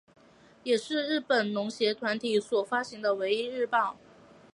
也是日本农协团体所发行的唯一日报。